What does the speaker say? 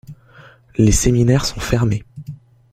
Les séminaires sont fermés.